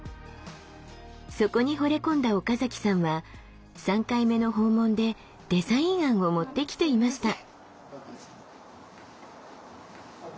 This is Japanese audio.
そこにほれ込んだ岡崎さんは３回目の訪問でデザイン案を持ってきていました。